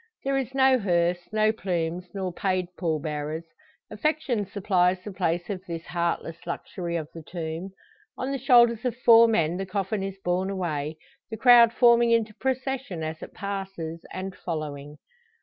There is no hearse, no plumes, nor paid pall bearers. Affection supplies the place of this heartless luxury of the tomb. On the shoulders of four men the coffin is borne away, the crowd forming into procession as it passes, and following.